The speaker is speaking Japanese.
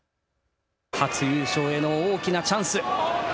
初優勝への大きなチャンス。